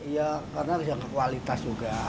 iya karena kualitas juga